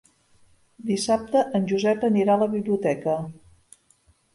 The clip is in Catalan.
Dissabte en Josep anirà a la biblioteca.